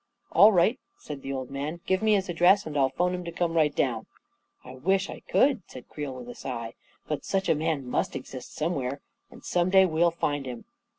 44 All right," said the old man; " give me his ad dress, and I'll 'phone him to come right down." " I wish I could," said Creel, with a sigh. " But such a man must exist somewhere, and some day we'll find him."